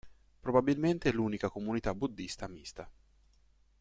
Probabilmente l'unica comunità buddista mista.